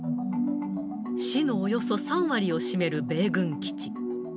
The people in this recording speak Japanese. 市のおよそ３割を占める米軍基地。